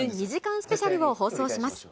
スペシャルを放送します。